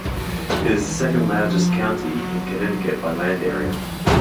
It is the second-largest county in Connecticut by land area.